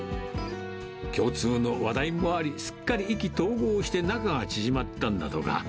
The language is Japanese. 共通の話題もあり、すっかり意気投合して、仲が縮まったんだとか。